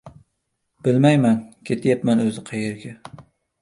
Bilmayman, ketyapman o‘zi qayerga?